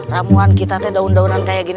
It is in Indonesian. ramuan kita teh daun daunan kayak gini